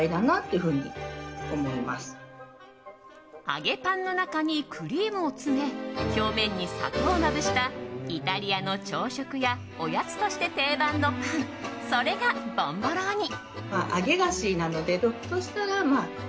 揚げパンの中にクリームを詰め表面に砂糖をまぶしたイタリアの朝食やおやつとして定番のパンそれがボンボローニ。